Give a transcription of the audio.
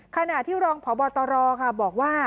ขณะที่รองพบตรค่ะบอกว่า